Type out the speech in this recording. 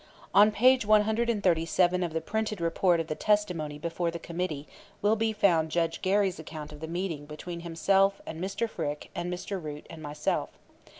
On page 137 of the printed report of the testimony before the Committee will be found Judge Gary's account of the meeting between himself and Mr. Frick and Mr. Root and myself.